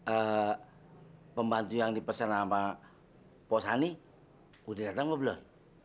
eh pembantu yang dipesan sama pos hani sudah datang atau belum